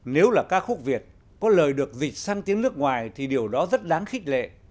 nếu là ca khúc việt có lời được dịch săn tiếng nước ngoài thì điều đó rất đáng khích lệ